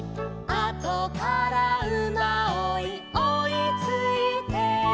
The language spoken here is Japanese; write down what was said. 「あとからうまおいおいついて」